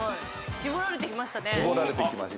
絞られてきましたね。